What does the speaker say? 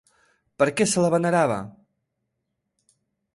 Per què se la venerava?